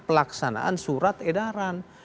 pelaksanaan surat edaran